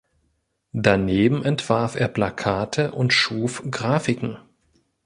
Daneben entwarf er Plakate und schuf Graphiken.